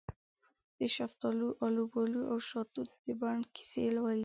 دشفتالو، الوبالواودشاه توت د بڼ کیسې لولې